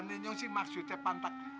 ini bukan pak